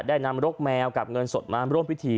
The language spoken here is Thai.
ได้นำรกแมวกับเงินสดมาร่วมพิธี